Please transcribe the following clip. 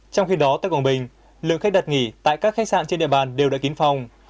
trong khi đó tại quảng bình lượng khách đặt nghỉ tại các khách sạn trên địa bàn đều đã kín phòng